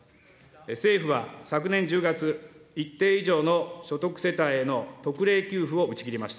政府は昨年１０月、一定以上の所得世帯への特例給付を打ち切りました。